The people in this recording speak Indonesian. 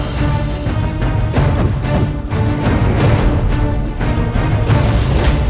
tidak mungkin manusia menikah dengan siluman